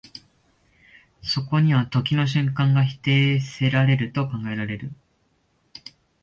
そこには時の瞬間が否定せられると考えられる。